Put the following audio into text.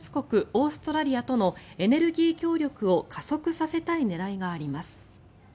オーストラリアとのエネルギー協力を加速させたい狙いがあります。